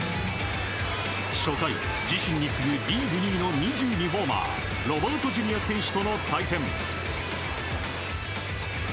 初回、自身に次ぐリーグ２位の２２ホーマーロバートＪｒ．選手との対戦。